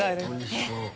えっ？